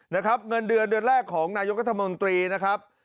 นะครับเงินเดือนเดือนแรกของนายกรัฐมนตรีนะครับ